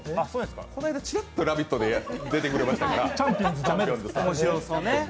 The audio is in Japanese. この間ちらっと「ラヴィット！」で出てくれましたから。